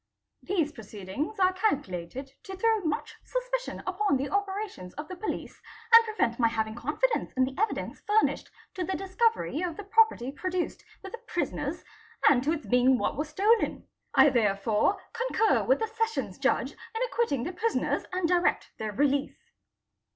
These proceedings are calculated to throw much suspicion upon the operations of the police and prevent my having confidence in the evidence furnished to the discovery of the pro perty produced with the prisoners and to its being what was stolen. I therefore concur with the Sessions Judge in acquitting the prisoners anc direct their release."